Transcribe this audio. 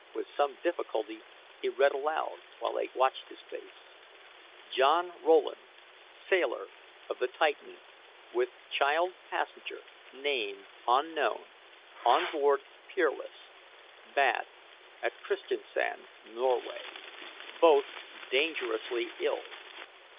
With some difficulty he read aloud, while they watched his face: "John Rowland, sailor of the Titan, with child passenger, name unknown, on board Peerless, Bath, at Christiansand, Norway. Both dangerously ill.